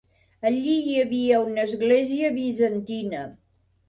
Allí hi havia una església bizantina.